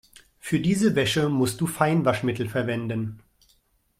Für diese Wäsche musst du Feinwaschmittel verwenden.